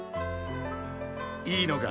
いいのか？